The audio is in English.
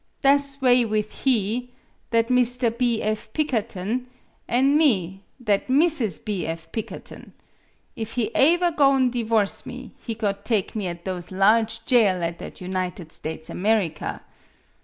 Tha' 's way with he that Mr. B. F. Pikkerton an' me that Mrs. B. F. Pikker ton. If he aever go'n' divorce me, he got take me at those large jail at that United States America.